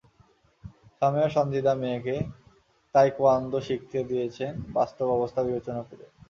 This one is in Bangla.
সামিয়া সানজিদা মেয়েকে তায়কোয়ান্দো শিখতে দিয়েছেন বাস্তব অবস্থা বিবেচনা করে।